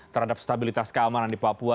terhadap stabilitas keamanan di papua